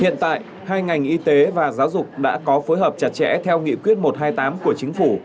hiện tại hai ngành y tế và giáo dục đã có phối hợp chặt chẽ theo nghị quyết một trăm hai mươi tám của chính phủ